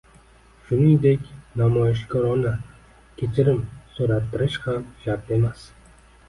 Shuningdek namoyishkorona kechirim so‘rattirish ham shart emas.